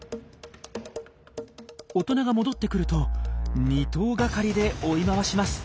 大人が戻ってくると２頭がかりで追い回します。